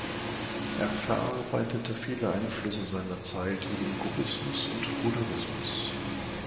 Er verarbeitete viele Einflüsse seiner Zeit wie den Kubismus und Futurismus.